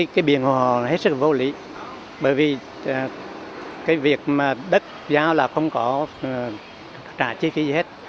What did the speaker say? cái biển họ hết sức vô lý bởi vì cái việc mà đất giao là không có trả chi phí gì hết